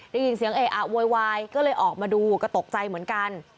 ได้ยินเสียงเออะโวยวายก็เลยออกมาดูก็ตกใจเหมือนกัน